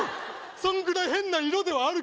そんぐらい変な色ではあるけど。